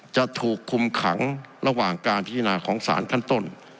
จะถูกคุมขังระหว่างการพิจารณาของสารขั้นต้น